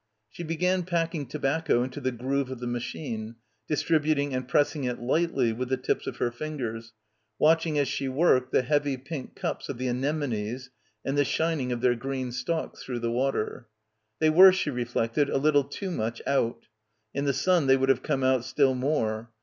She began packing tobacco into the groove of — 43 — PILGRIMAGE the machine, distributing and pressing it lightly with the tips of her fingers, watching as she worked the heavy pink cups of the anemones and the shining of their green stalks through the water. They were, she reflected, a little too much out. In the sun they would have come out still more.